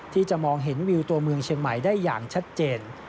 ที่จะมองเห็นวิวตัวเมืองเชียงใหม่ได้อย่างชัดเจน